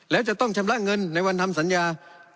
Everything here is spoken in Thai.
แล้วจะต้องชำระเงินในวันทำสัญญา